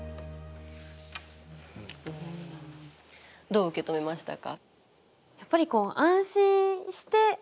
どう受け止めましたか。